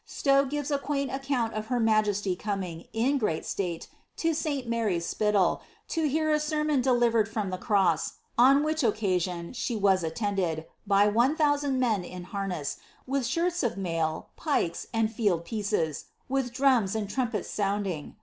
Siowe gives a qoaint account of her majesty coming, in great state, to St. Mary's, S|Mtal, to hear a sermon delivered from the cross, on which occasion ihe was attended, by one thousand men in harness, with shirts of mail, pikea« and field pieces, with drums and trumpets sounding.